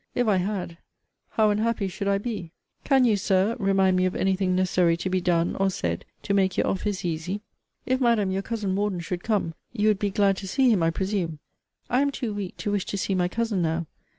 If I had, how unhappy should I be! Can you, Sir, remind me of any thing necessary to be done or said to make your office easy? If, Madam, your cousin Morden should come, you would be glad to see him, I presume? I am too weak to wish to see my cousin now.